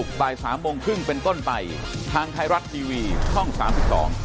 พบกันใหม่พรุ่งนี้บ่าย๓๓๐ครับสวัสดีครับ